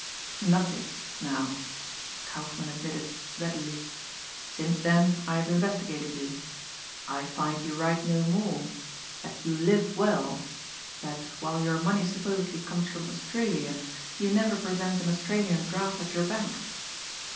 "Nothing, now," Kaufmann admitted readily. "Since then I have investigated you. I find you write no more; that you live well; that while your money supposedly comes from Australia you never present an Australian draft at your bank.